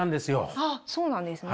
あっそうなんですね。